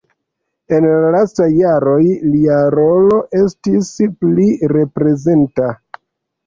En la lastaj jaroj lia rolo estis pli reprezenta.